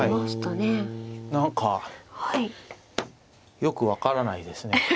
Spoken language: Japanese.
何かよく分からないですね。